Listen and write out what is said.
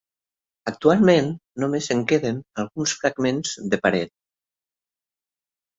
Actualment només en queden alguns fragments de paret.